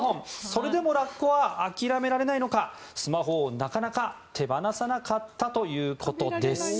それでもラッコは諦められないのかスマホをなかなか手放さなかったということです。